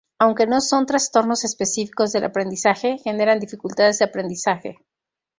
Aunque no son "trastornos específicos del aprendizaje", generan dificultades de aprendizaje.